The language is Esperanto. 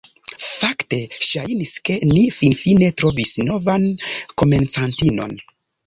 Fakte, ŝajnis, ke ni finfine trovis novan komencantinon.